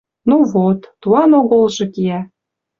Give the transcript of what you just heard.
Ну, вот... Туан оголжы киӓ!..